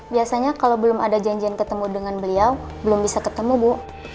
biasanya kalau belum ada janjian ketemu dengan beliau belum bisa ketemu bu